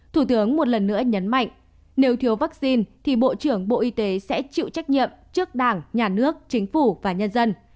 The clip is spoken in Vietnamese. thủ tướng một lần nữa nhấn mạnh nếu thiếu vaccine thì bộ trưởng bộ y tế sẽ chịu trách nhiệm trước đảng nhà nước chính phủ và nhân dân